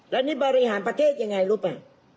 แล้วนี่บริหารประเทศยังไงรู้ป่ะ